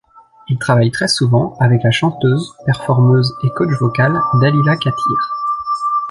Il travaille très souvent avec la chanteuse, performeuse, et coach vocal Dalila Khatir.